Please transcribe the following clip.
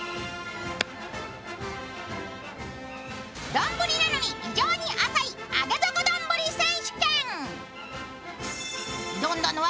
丼なのに異常に浅い上げ底どんぶり選手権！